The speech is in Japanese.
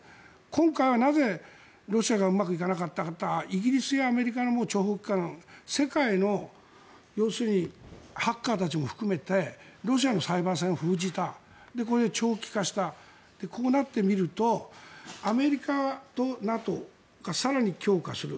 今回はなぜ、ロシアがうまくいかなかったかというとイギリスやアメリカの諜報機関世界の要するにハッカーたちも含めてロシアのサイバー戦を封じたこれで長期化したこうなってみるとアメリカとＮＡＴＯが更に強化する。